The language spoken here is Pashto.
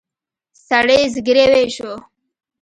سړي زګېروی شو.